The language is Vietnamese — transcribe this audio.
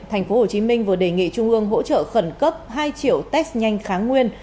tp hcm vừa đề nghị trung ương hỗ trợ khẩn cấp hai triệu test nhanh kháng nguyên